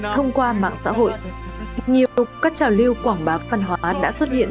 thông qua mạng xã hội nhiều tục các trào lưu quảng bác văn hóa đã xuất hiện